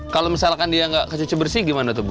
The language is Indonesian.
kalau misalkan dia nggak kecuci bersih gimana tuh bu